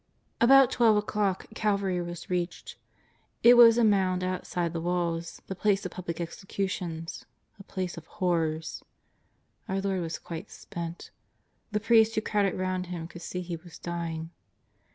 About twelve o'clock Calvary was reached. It was a mound outside the walls, the place of public executions — a place of horrors. Our Lord was quite spent. The priests wdio crowded round Him could see He was dy ing.